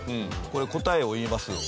これ答えを言いますよ。